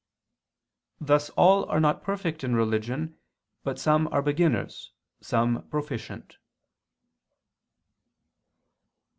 Thus all are not perfect in religion, but some are beginners, some proficient.